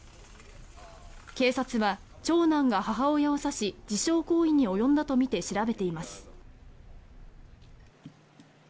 警察は長男が母親を刺し自傷行為に及んだとみて調べています。